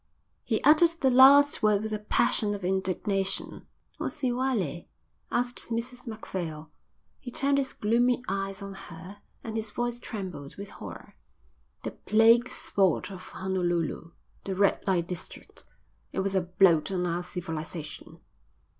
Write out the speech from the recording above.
He uttered the last word with a passion of indignation. "What's Iwelei?" asked Mrs Macphail. He turned his gloomy eyes on her and his voice trembled with horror. "The plague spot of Honolulu. The Red Light district. It was a blot on our civilisation."